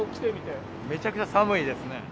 めちゃくちゃ寒いですね。